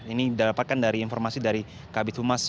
ini didapatkan dari informasi dari kabit humas